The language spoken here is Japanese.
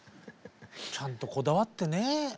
ちゃんとこだわってね。